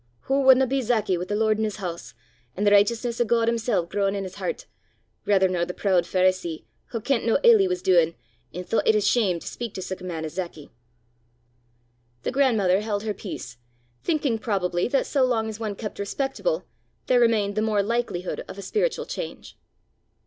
Wha wadna be Zacchay wi' the Lord in his hoose, an' the richteousness o' God himsel' growin' in his hert, raither nor the prood Pharisee wha kent nae ill he was duin', an' thoucht it a shame to speyk to sic a man as Zacchay!" The grandmother held her peace, thinking probably that so long as one kept respectable, there remained the more likelihood of a spiritual change.